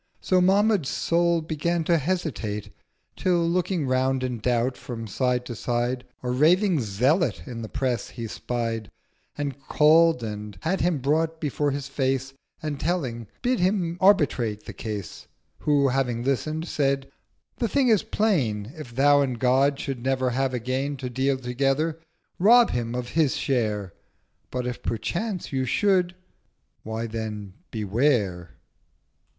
So Mahmud's Soul began to hesitate: Till looking round in Doubt from side to side A raving Zealot in the Press he spied, And call'd and had him brought before his Face, And, telling, bid him arbitrate the case. Who, having listen'd, said—'The Thing is plain: 1020 If Thou and God should never have again To deal together, rob him of his share: But if perchance you should—why then Beware!'